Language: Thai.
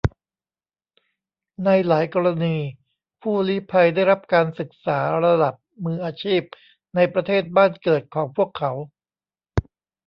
ในหลายกรณีผู้ลี้ภัยได้รับการศึกษาระดับมืออาชีพในประเทศบ้านเกิดของพวกเขา